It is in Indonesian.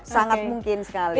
sangat mungkin sekali